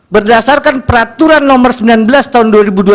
berdasarkan peraturan nomor sembilan belas tahun dua ribu dua puluh